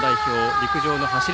陸上の走り